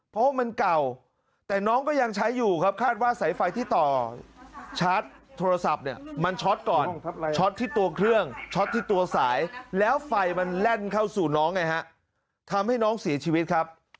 เพราะว่ามันเก่าแต่น้องก็ยังใช้อยู่ครับคาดว่าสายไฟที่ต่อชาร์จโทรศัพท์เนี่ยมันช็อตก่อนช็อตที่ตัวเครื่องช็อตที่ตัวสายแล้วไฟมันแล่นเข้าสู่น้องไงฮะทำให้น้องเสียชีวิตครับ